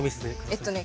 えっとね